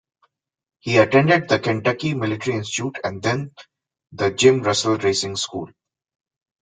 He attended the Kentucky Military Institute and then the Jim Russell Racing School.